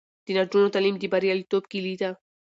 د نجونو تعلیم د بریالیتوب کیلي ده.